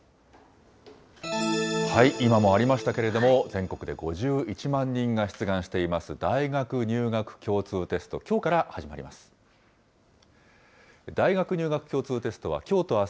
今もありましたけれども、全国で５１万人が出願しています、大学入学共通テスト、きょうから始まります。